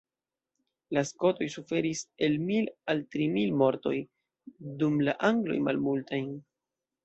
La skotoj suferis el mil al tri mil mortoj, dum la angloj malmultajn.